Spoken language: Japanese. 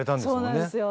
そうなんですよ。